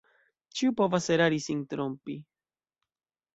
Ĉiu povas erari, sin trompi...